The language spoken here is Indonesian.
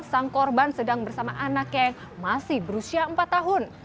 sang korban sedang bersama anaknya yang masih berusia empat tahun